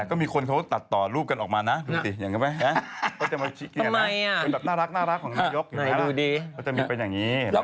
ก็มีคนเขาตัดต่อรูปกันออกมานะดูสิอย่างนี้ไหม